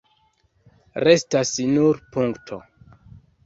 Restas nur punkto.